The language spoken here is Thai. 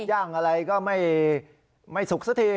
ย่างอะไรก็ไม่สุกสักที